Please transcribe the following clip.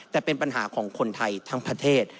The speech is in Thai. แต่เป็นปัญหาของคนไทยทั้งประเทศ